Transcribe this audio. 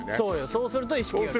そうすると意識が変わる。